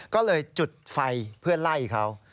ก็เลยจุดไฟเพื่อไล่เขา